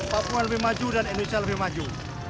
papua lebih maju dan indonesia lebih maju